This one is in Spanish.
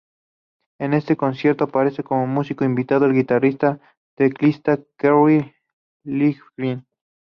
En este concierto aparece como músico invitado el guitarrista y teclista Kerry Livgren.